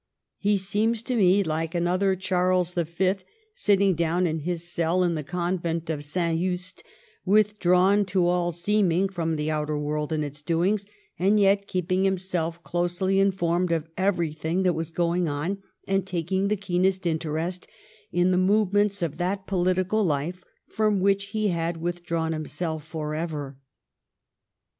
He seems to me like an other Charles the Fifth sitting down in his cell in 399 400 THE STORY OF GLADSTONE'S LIFE the convent of St. Yuste, withdrawn to all seeming from the outer world and its doings, and yet keep ing himself closely informed of everything that was going on and taking the keenest interest in the movements of that political life from which he had withdrawn himself forever.